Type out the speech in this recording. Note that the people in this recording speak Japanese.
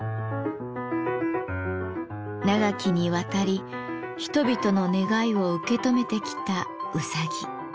長きにわたり人々の願いを受け止めてきたうさぎ。